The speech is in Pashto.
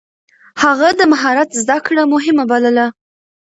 هغه د مهارت زده کړه مهمه بلله.